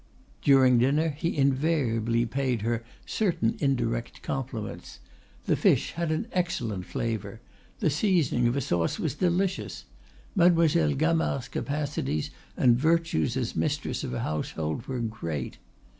During dinner he invariably paid her certain indirect compliments; the fish had an excellent flavor; the seasoning of a sauce was delicious; Mademoiselle Gamard's capacities and virtues as mistress of a household were great.